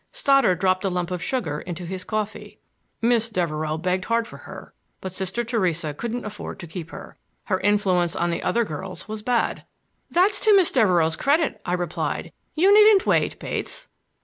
Stoddard dropped a lump of sugar into his coffee. "Miss Devereux begged hard for her, but Sister Theresa couldn't afford to keep her. Her influence on the other girls was bad." "That's to Miss Devereux's credit," I replied. "You needn't wait, Bates."